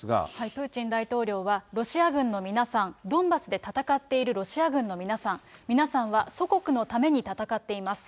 プーチン大統領は、ロシア軍の皆さん、ドンバスで戦っているロシア軍の皆さん、皆さんは、祖国のために戦っています。